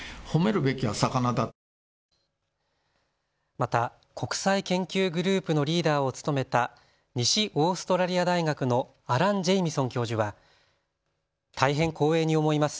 また国際研究グループのリーダーを務めた西オーストラリア大学のアラン・ジェイミソン教授は大変光栄に思います。